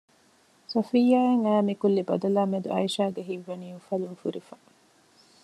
ސޮފިއްޔާއަށް އައި މިކުއްލި ބަދަލާމެދު އައިޝާގެ ހިތްވަނީ އުފަލުން ފުރިފަ